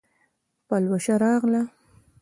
پلوشه راغله